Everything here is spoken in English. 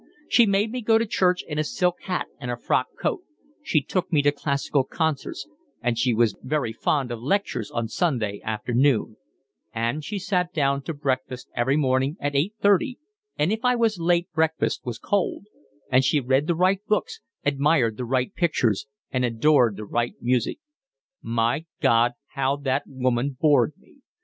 She made me go to church in a silk hat and a frock coat, she took me to classical concerts, and she was very fond of lectures on Sunday afternoon; and she sat down to breakfast every morning at eight thirty, and if I was late breakfast was cold; and she read the right books, admired the right pictures, and adored the right music. My God, how that woman bored me!